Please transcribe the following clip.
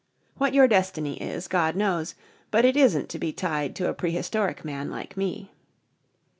What your destiny is, God knows. But it isn't to be tied to a Prehistoric Man like me."